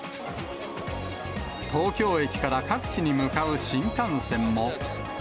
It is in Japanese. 東京駅から各地に向かう新幹線も。